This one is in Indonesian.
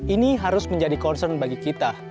ini harus menjadi concern bagi kita